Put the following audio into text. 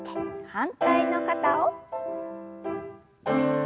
反対の肩を。